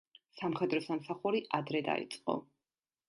სამხედრო სამსახური ადრე დაიწყო.